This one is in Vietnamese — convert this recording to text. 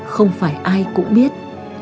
không phải ai cũng biết